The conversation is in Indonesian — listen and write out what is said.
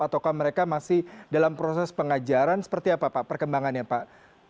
ataukah mereka masih dalam proses pengajaran seperti apa pak perkembangannya pak